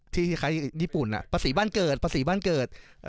คล้ายญี่ปุ่นภาษีบ้านเกิดภาษีบ้านเกิด